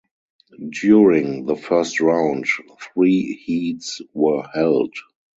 During the first round three heats were held.